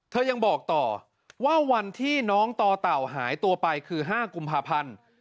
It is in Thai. ยังบอกต่อว่าวันที่น้องต่อเต่าหายตัวไปคือ๕กุมภาพันธ์